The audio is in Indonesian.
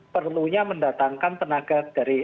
perlunya mendatangkan tenaga dari